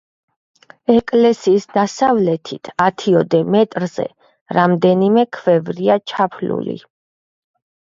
ეკლესიის დასავლეთით ათიოდე მეტრზე რამდენიმე ქვევრია ჩაფლული.